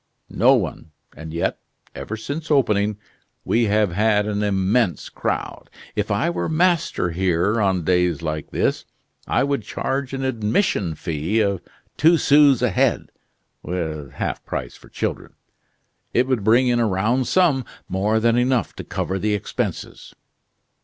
"No one. And yet, ever since opening, we have had an immense crowd. If I were master here, on days like this, I would charge an admission fee of two sous a head, with half price for children. It would bring in a round sum, more than enough to cover the expenses."